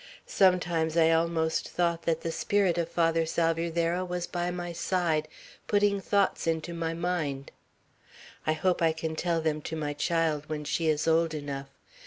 Sometimes I almost thought that the spirit of Father Salvierderra was by my side putting thoughts into my mind. I hope I can tell them to my child when she is old enough.